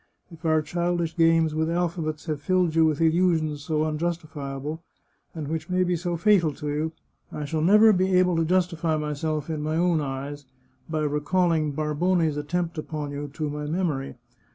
If our childish games with alphabets have filled you with illusions so unjustifiable, and which may be so fatal to you, I shall never be able to justify myself in my own eyes, by recalling Barbone's attempt upon you to my memory.